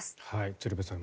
鶴瓶さん